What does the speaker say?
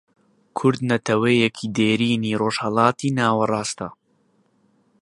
کورد نەتەوەیەکی دێرینی ڕۆژهەڵاتی ناوەڕاستە